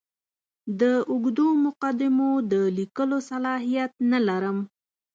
د اوږدو مقدمو د لیکلو صلاحیت نه لرم.